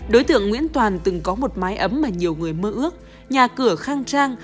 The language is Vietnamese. đối tượng nguyễn toàn từng có một mái ấm mà nhiều người mơ ước nhà cửa khang trang